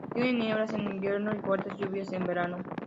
Tiene nieblas en invierno y fuertes lluvias en verano.